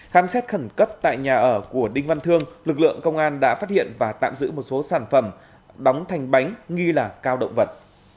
khám xét khẩn cấp tại nhà ở của đinh văn thương lực lượng công an đã phát hiện và tạm giữ một số sản phẩm đóng thành bánh nghi là cao động vật